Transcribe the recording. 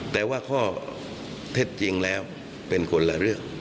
แต่ว่าข้อเท็จจริงแล้วเป็นคนละเรื่อง